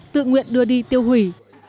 tự nguyện đưa đi tiêu hủy